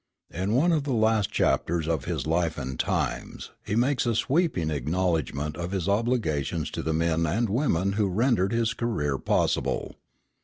In one of the last chapters of his Life and Times he makes a sweeping acknowledgment of his obligations to the men and women who rendered his career possible.